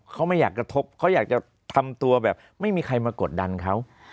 เขาไม่อยากกระทบเขาอยากจะทำตัวแบบไม่มีใครมากดดันเขา